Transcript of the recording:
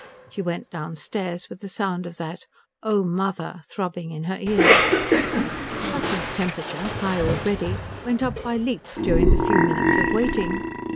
She went downstairs with the sound of that Oh mother throbbing in her ears. Tussie's temperature, high already, went up by leaps during the few minutes of waiting.